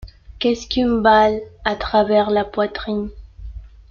Qu’est-ce qu’une balle à travers la poitrine